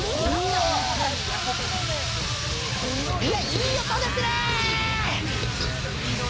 いい音ですね！